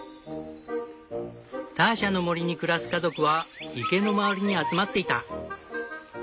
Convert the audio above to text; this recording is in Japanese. ターシャの森に暮らす家族は池の周りに集まっていた。